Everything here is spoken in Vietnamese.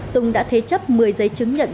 tùng đã thế chấp một mươi giấy chứng nhận